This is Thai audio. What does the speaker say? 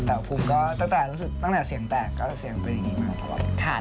แต่ภูมิก็ตั้งแต่เสียงแตกก็เสียงเป็นอย่างนี้บ้าง